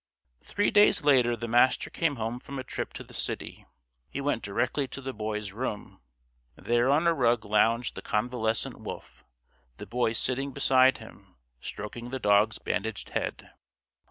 Three days later the Master came home from a trip to the city. He went directly to the Boy's room. There on a rug lounged the convalescent Wolf, the Boy sitting beside him, stroking the dog's bandaged head.